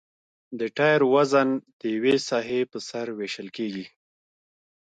د ټایر وزن د یوې ساحې په سر ویشل کیږي